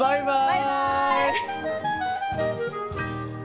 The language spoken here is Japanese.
バイバイ！